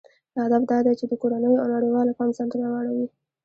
هدف دا دی چې د کورنیو او نړیوالو پام ځانته راواړوي.